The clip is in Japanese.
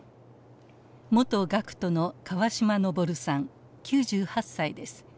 元学徒の川島東さん９８歳です。